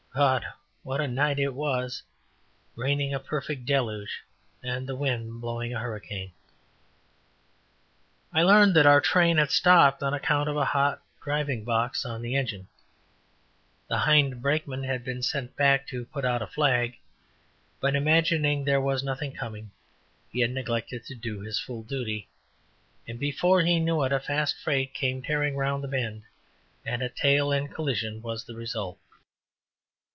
God! what a night it was raining a perfect deluge and the wind blowing a hurricane. I learned that our train had stopped on account of a hot driving box on the engine; the hind brakeman had been sent back to put out a flag, but, imagining there was nothing coming, he had neglected to do his full duty, and before he knew it, a fast freight came tearing around the bend, and a tail end collision was the result.